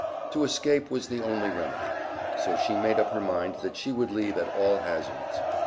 To escape was the only remedy, so she made up her mind, that she would leave at all hazards.